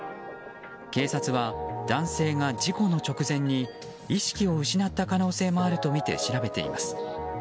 警察は、男性が事故の直前に意識を失った可能性もあるとみて調べています。